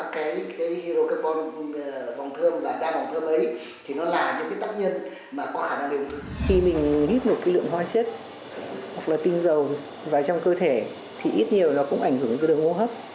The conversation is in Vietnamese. khi mình hít một cái lượng hoa chất hoặc là tinh dầu vào trong cơ thể thì ít nhiều nó cũng ảnh hưởng đến cái đường hô hấp